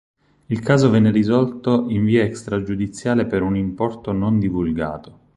Il caso venne risolto in via extragiudiziale per un importo non divulgato.